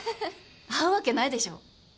会うわけないでしょ。